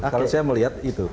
kalau saya melihat itu